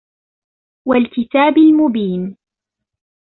وَالْكِتَابِ الْمُبِينِ